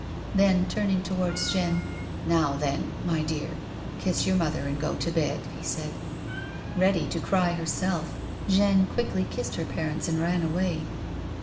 Then turning towards Jeanne, " Now then, my dear, kiss your mother and go to bed," he said. Ready to cry herself, Jeanne quickly kissed her parents and ran away.